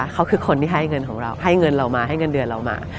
เขาคือคนที่ให้เงินของเราให้เงินเดือนเรามา